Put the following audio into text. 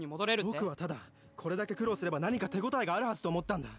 僕はただこれだけ苦労すれば何か手応えがあるはずと思ったんだ